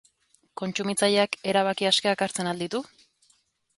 Kontsumitzaileak erabaki askeak hartzen al ditu?